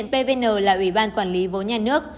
pvn là ủy ban quản lý vốn nhà nước